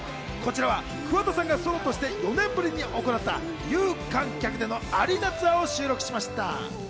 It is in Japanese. こちらは桑田さんがソロとして４年ぶりに行った有観客でのアリーナツアーを収録しました。